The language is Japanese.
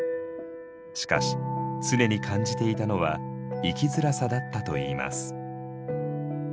しかし常に感じていたのは生きづらさだったといいます。